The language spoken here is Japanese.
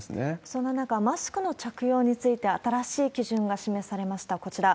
そんな中、マスクの着用について、新しい基準が示されました、こちら。